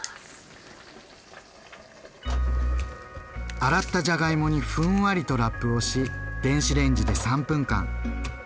洗ったじゃがいもにふんわりとラップをし電子レンジで３分間。